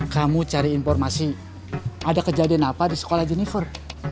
kamu cari informasi ada kejadian apa di sekolah jennifer